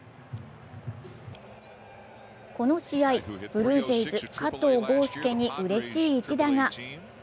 この試合、ブルージェイズ・加藤豪将にうれしい１打が。